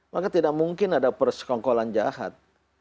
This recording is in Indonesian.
maka tidak mungkin ada persekongkolan jahat